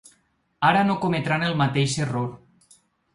Ara no cometran el mateix error.